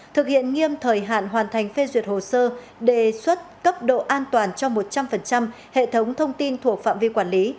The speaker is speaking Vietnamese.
thực hiện nghiêm thời hạn hoàn thành phê duyệt hồ sơ đề xuất cấp độ an toàn cho một trăm linh hệ thống thông tin thuộc phạm vi quản lý